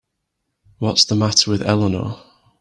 What's the matter with Eleanor?